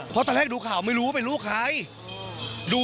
เพราะตอนแรกดูข่าวไม่รู้ไม่รู้ใคร